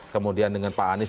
kemudian dengan pak anies